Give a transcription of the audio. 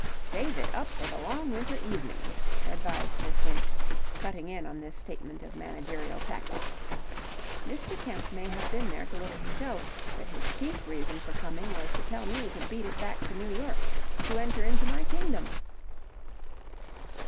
"Save it up for the long winter evenings," advised Miss Winch, cutting in on this statement of managerial tactics. "Mr. Kemp may have been there to look at the show, but his chief reason for coming was to tell me to beat it back to New York to enter into my kingdom.